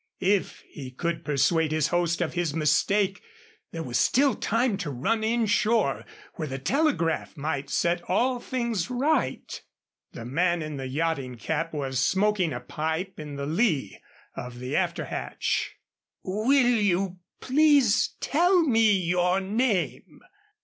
If he could persuade his host of his mistake there was still time to run in shore where the telegraph might set all things right. The man in the yachting cap was smoking a pipe in the lee of the after hatch. "Will you please tell me your name?"